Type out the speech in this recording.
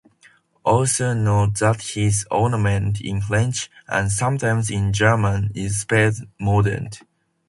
Also note that this ornament in French, and sometimes in German, is spelled "mordant".